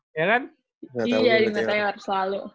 iya di meteor selalu